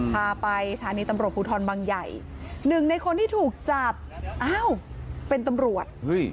พาไปสถานีตำรวจภูทรบังใหญ่หนึ่งในคนที่ถูกจับอ้าวเป็นตำรวจ